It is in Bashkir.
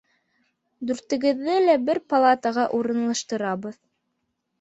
Дүртегеҙҙе лә бер палатаға урынлаштырабыҙ.